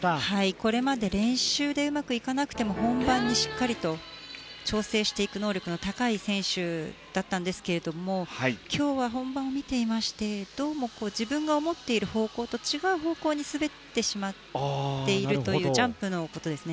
これまで練習でうまくいかなくても本番にしっかりと調整していく能力の高い選手だったんですけれども今日は本番を見ていましてどうも自分が思っている方向と違う方向に滑ってしまっているというジャンプのことですね。